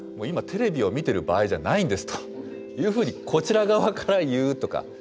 「今テレビを見ている場合じゃないんです」というふうにこちら側から言うとか。